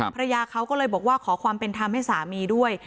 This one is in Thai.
ภรรยาเขาก็เลยบอกว่าขอความเป็นธรรมให้สามีด้วย